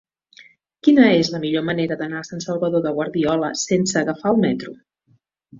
Quina és la millor manera d'anar a Sant Salvador de Guardiola sense agafar el metro?